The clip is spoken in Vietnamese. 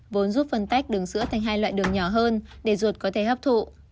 vốn giúp phân tách đường sữa thành hai loại đường nhỏ hơn để ruột có thể hấp thụ